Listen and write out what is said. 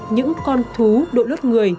những con thú đội lốt người